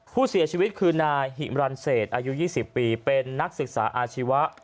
ผู้เสียชีวิตคือนายหิมรันเศษอายุ๒๐ปีเป็นนักศึกษาอาชีวะ